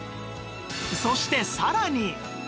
そしてさらに